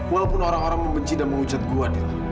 walaupun orang orang membenci dan menghujat gue adil